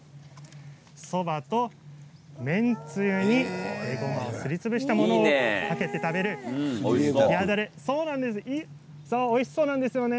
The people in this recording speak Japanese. そばと麺つゆにえごまをすりつぶしたものかけて食べる冷やだれおいしそうなんですよね。